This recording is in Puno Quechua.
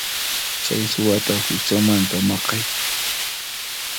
Chay suwata huchanmanta maqay.